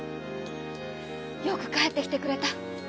よくかえってきてくれた！